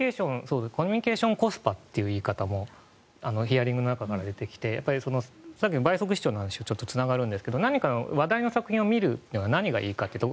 コミュニケーションコスパという言い方もヒアリングの中から出てきてさっきの倍速視聴の話にちょっとつながるんですが話題の作品を見るのの何がいいかというと